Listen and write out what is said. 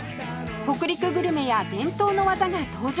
北陸グルメや伝統の技が登場！